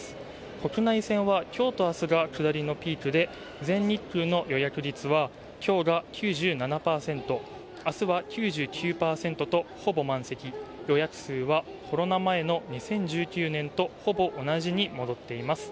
国内線は今日と明日が下りのピークで全日空の予約率は、今日が９７％、明日は９９％とほぼ満席、予約数はコロナ前の２０１９年とほぼ同じに戻っています。